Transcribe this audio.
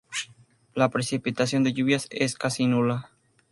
La precipitación de lluvia es casi nula.